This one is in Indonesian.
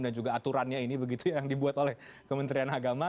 dan juga aturannya ini begitu yang dibuat oleh kementerian agama